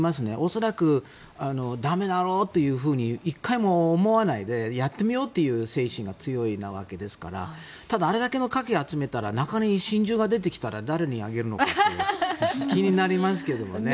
恐らく駄目だろうと１回も思わないでやってみようという精神が強いわけですからただ、あれだけのカキを集めたら中から真珠が出てきたら誰にあげるのかなというのが気になりますけどね。